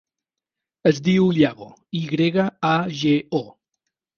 Es diu Yago: i grega, a, ge, o.